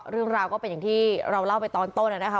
เรื่องราวก็เป็นอย่างที่เราเล่าไปตอนต้นนะคะ